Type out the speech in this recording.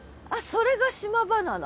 それが島バナナ？